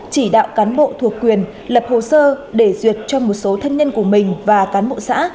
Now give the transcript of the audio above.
chỉ đạo cán bộ thuộc quyền lập hồ sơ để duyệt cho một số thân nhân của mình và cán bộ xã